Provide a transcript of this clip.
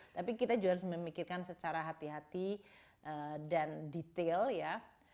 tapi kita juga harus memikirkan secara hati hati dan detail ya